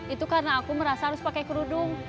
itu karena aku merasa harus pakai kerudung